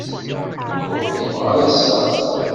Ur xdimeɣ ara ass-a.